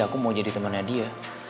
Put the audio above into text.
aku mau jadi temannya dia